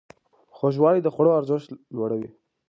خوږوالی د خوړو ارزښت لوړوي.